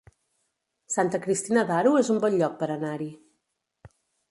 Santa Cristina d'Aro es un bon lloc per anar-hi